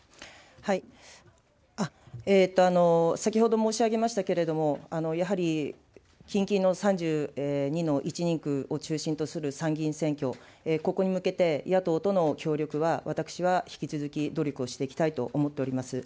先ほど申し上げましたけれども、やはり近々の３２の１人区を中心とする参議院選挙、ここに向けて野党との協力は、私は引き続き努力をしていきたいと思っております。